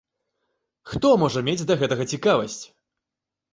Хто можа мець да гэтага цікавасць?